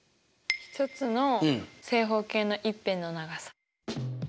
１つの正方形の１辺の長さ。